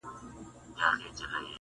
هغې سړي خو څه جواب رانکړو